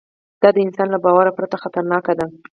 دا د انسان له باور پرته خطرناکه ده.